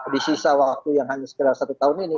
di sisa waktu yang hanya sekitar satu tahun ini